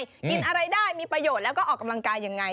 กินอะไรได้มีประโยชน์แล้วก็ออกกำลังกายยังไง